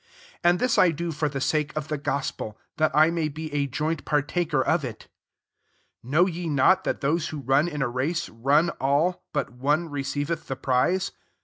23 And this I do for the sake of the gospel ; that I may be a joint partaker of it. 24 Know ye not that those who run in a race, run all, but one receiveth the prize?